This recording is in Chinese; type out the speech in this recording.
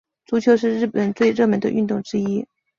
足球是日本最热门的运动之一。